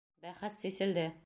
Бәхәс сиселде...